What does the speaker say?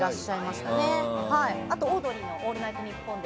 あと、「オードリーのオールナイトニッポン」で